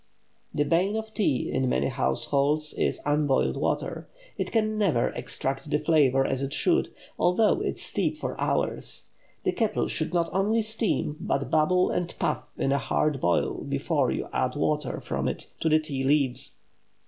The bane of tea in many households is unboiled water. It can never extract the flavor as it should, although it steep for hours. The kettle should not only steam, but bubble and puff in a hard boil before you add water from it to the tea leaves.